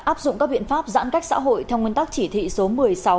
áp dụng các biện pháp giãn cách xã hội theo nguyên tắc chỉ thị số một mươi sáu